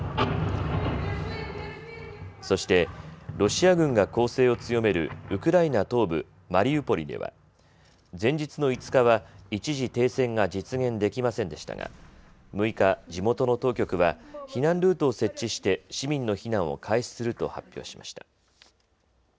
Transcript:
そしてロシア軍が攻勢を強めるウクライナ東部マリウポリでは前日の５日は一時停戦が実現できませんでしたが６日、地元の当局は避難ルートを設置して市民の避難を開始すると発表しました。